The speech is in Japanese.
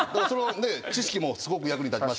知識もすごく役に立ちましたし。